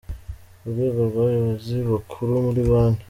Urwego rw’abayobozi bakuru muri banki